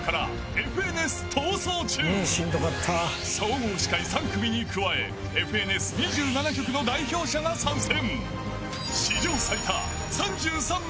［総合司会３組に加えＦＮＳ２７局の代表者が参戦］